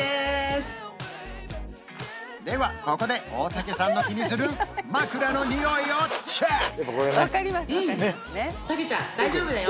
ではここで大竹さんの気にする枕のにおいをチェック！